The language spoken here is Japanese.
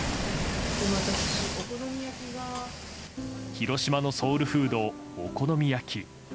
広島のソウルフードお好み焼き。